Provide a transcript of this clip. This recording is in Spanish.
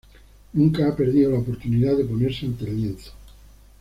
Nunca ha perdido la oportunidad de ponerse ante el lienzo.